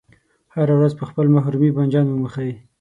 هره ورځ په خپل مخ رومي بانجان وموښئ.